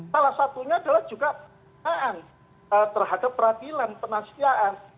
salah satunya adalah jugaan terhadap peradilan penasiaan